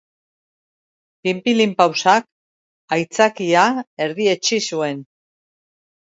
Pinpilinpausak aitzakia erdietsi zuen